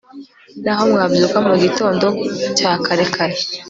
n'aho mwabyuka mu gitondo cya kare kare